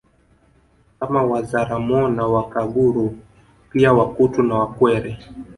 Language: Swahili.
Kama Wazaramo na Wakaguru pia Wakutu na Wakwere